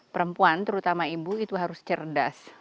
perempuan terutama ibu itu harus cerdas